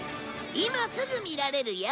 今すぐ見られるよ。